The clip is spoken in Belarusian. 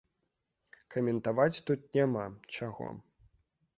Каментаваць тут няма, чаго.